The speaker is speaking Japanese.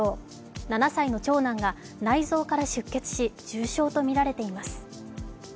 ７歳の長男が内臓から出血し重傷とみられています。